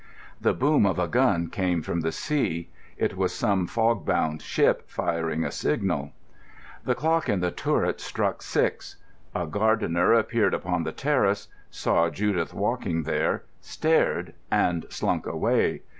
The boom of a gun came from the sea. It was some fog bound ship firing a signal. The clock in the turret struck six. A gardener appeared upon the terrace, saw Judith walking there, stared, and slunk away.